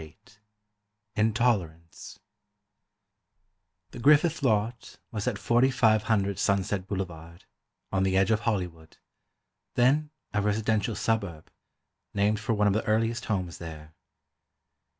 VIII "INTOLERANCE" The Griffith lot was at 4500 Sunset Boulevard, on the edge of Hollywood, then a residential suburb, named for one of the earliest homes there.